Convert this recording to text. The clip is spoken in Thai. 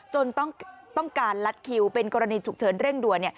ต้องการลัดคิวเป็นกรณีฉุกเฉินเร่งด่วน